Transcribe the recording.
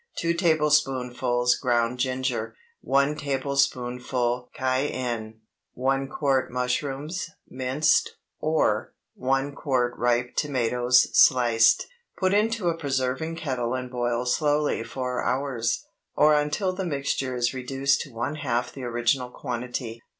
2 tablespoonfuls ground ginger. 1 tablespoonful cayenne. 1 quart mushrooms, minced, or 1 quart ripe tomatoes, sliced. Put into a preserving kettle and boil slowly four hours, or until the mixture is reduced to one half the original quantity.